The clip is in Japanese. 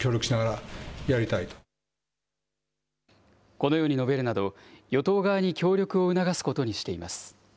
このように述べるなど、与党側に協力を促すことにしています。